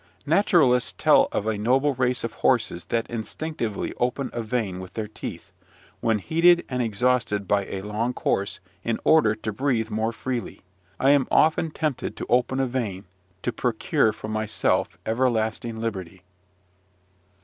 Naturalists tell of a noble race of horses that instinctively open a vein with their teeth, when heated and exhausted by a long course, in order to breathe more freely. I am often tempted to open a vein, to procure for myself everlasting liberty.